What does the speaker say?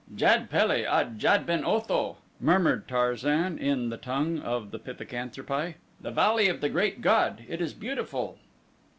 "Jad Pele ul Jad ben Otho," murmured Tarzan in the tongue of the pithecanthropi; "The Valley of the Great God it is beautiful!"